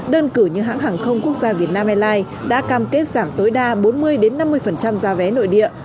đơn cử như hãng hàng không quốc gia việt nam airlines đã cam kết giảm tối đa bốn mươi năm mươi giá vé nội địa